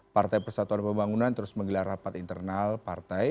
partai persatuan pembangunan terus menggelar rapat internal partai